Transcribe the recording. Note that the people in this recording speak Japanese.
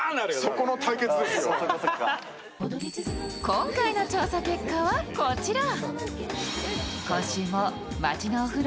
今回の調査結果はこちら。